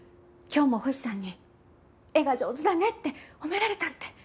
今日も星さんに絵が上手だねって褒められたって。